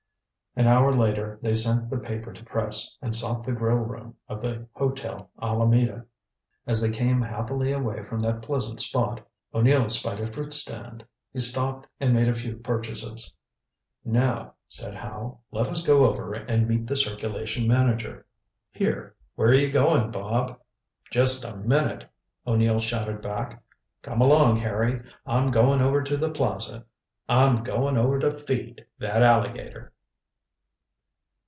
An hour later they sent the paper to press, and sought the grill room of the Hotel Alameda. As they came happily away from that pleasant spot, O'Neill spied a fruit stand. He stopped and made a few purchases. "Now," said Howe, "let us go over and meet the circulation manager. Here where are you going, Bob?" "Just a minute," O'Neill shouted back. "Come along, Harry. I'm going over to the plaza! I'm going over to feed that alligator!"